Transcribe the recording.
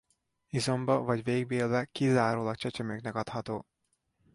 Izomba vagy végbélbe kizárólag csecsemőknek adható.